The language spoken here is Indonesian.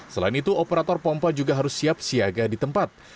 selain itu operator pompa juga harus siap siaga di tempat